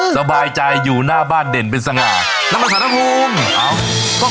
สบายใจอยู่หน้าบ้านเด่นเป็นสง่านามสาธารณภูมิอ้าว